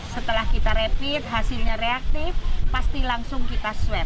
setelah kita rapid hasilnya reaktif pasti langsung kita swab